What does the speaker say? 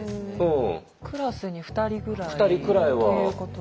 クラスに２人ぐらいということですよね。